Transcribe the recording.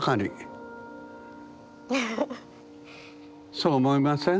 そう思いません？